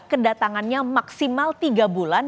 kedatangannya maksimal tiga bulan